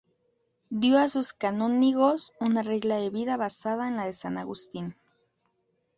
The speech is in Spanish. Dio a sus canónigos una regla de vida basada en la de san Agustín.